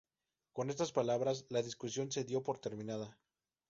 Con estas palabras la discusión se dio por terminada.